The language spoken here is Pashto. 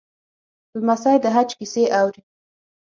لمسی د حج کیسې اوري.